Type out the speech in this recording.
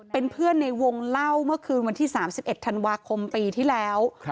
เป็นเพื่อนในวงเล่าเมื่อคืนวันที่๓๑ธันวาคมปีที่แล้ว